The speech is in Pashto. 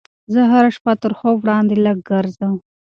زه هره شپه تر خوب وړاندې لږ ګرځم.